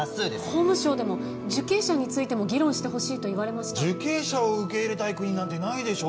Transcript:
法務省でも受刑者についても議論してほしいと言われました受刑者を受け入れたい国なんてないでしょう